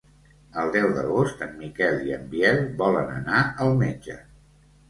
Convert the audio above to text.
El deu d'agost en Miquel i en Biel volen anar al metge.